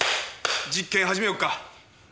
実験始めようか。